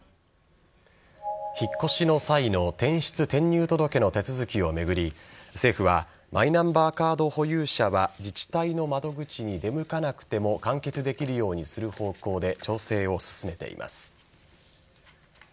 引っ越しの際の転出・転入届の手続きを巡り政府はマイナンバーカード保有者は自治体の窓口に出向かなくても完結できるようにする方向で調整を進めています。